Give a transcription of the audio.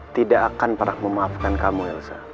tidak akan pernah memaafkan kamu elsa